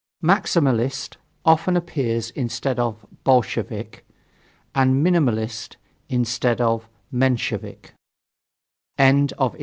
"Maximalist" often appears instead of "bolshevik," and "minimalist" instead of "menshevik."